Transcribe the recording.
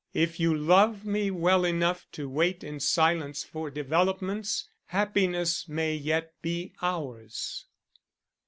If you love me well enough to wait in silence for developments, happiness may yet be ours."